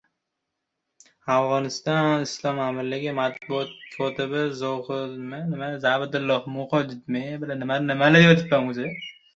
Afg‘oniston Islom Amirligi matbuot kotibi Zabihulloh Mujohid Mirziyoyevga maktub yo‘lladi